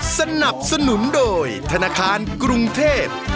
สนับสนุนโดยธนาคารกรุงเทพ